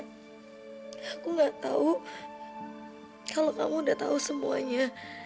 aku nggak tahu kalau kamu udah tahu semuanya